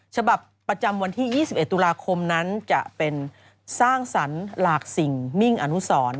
ฉบับประจำวันที่๒๑ตุลาคมนั้นจะเป็นสร้างสรรค์หลากสิ่งมิ่งอนุสร